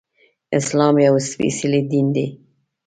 اسلام يو سپيڅلی دين دی